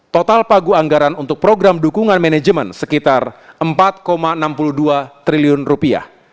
total pagu anggaran untuk program dukungan manajemen sekitar empat enam puluh dua triliun rupiah